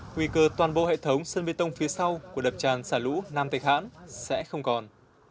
nguy cơ toàn bộ hệ thống sân bê tông phía sau của đập tràn xả lũ nam thạch hãn sẽ không còn